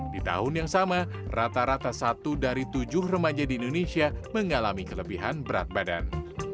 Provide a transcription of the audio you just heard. di tahun yang sama rata rata satu dari tujuh remaja di indonesia mengalami kelebihan berat badan